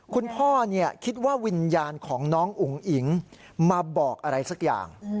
คุณพ่อคิดว่าวิญญาณของน้องอุ๋งอิ๋งมาบอกอะไรสักอย่าง